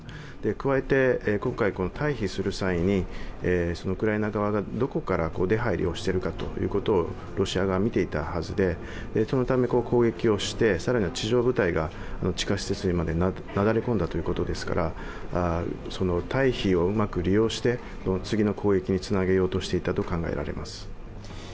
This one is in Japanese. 加えて、今回退避する際にウクライナ側がどこから出入りしているかということをロシアが見ていたはずで、そのために攻撃していて更には地上部隊が地下施設にまでなだれ込んだということですから、退避をうまく利用して次の攻撃につなげようとしていたと考えられます。